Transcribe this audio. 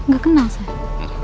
gak kenal saya